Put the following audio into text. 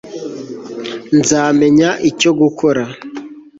nzamenya icyo gukora